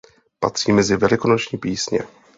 Patří mezi velikonoční písně.